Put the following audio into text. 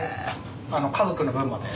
家族の分まで。